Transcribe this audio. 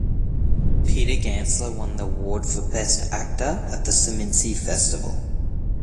Peter Gantzler won the award for Best Actor at the Seminci festival.